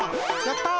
やった！